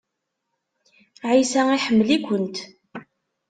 Ɛisa iḥemmel-ikent.